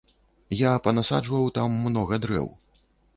Я панасаджваў там многа дрэў.